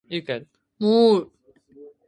もーう